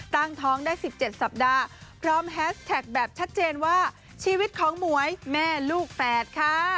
ตั้งท้องได้๑๗สัปดาห์พร้อมแฮสแท็กแบบชัดเจนว่าชีวิตของหมวยแม่ลูกแฝดค่ะ